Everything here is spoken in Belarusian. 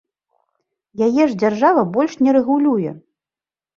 Яе ж дзяржава больш не рэгулюе!